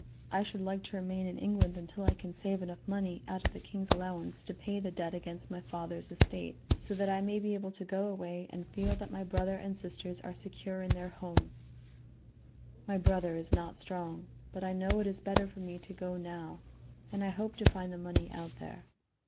"I should like to remain in England until I can save enough money out of the king's allowance to pay the debt against my father's estate, so that I may be able to go away and feel that my brother and sisters are secure in their home my brother is not strong but I know it is better for me to go now, and I hope to find the money out there.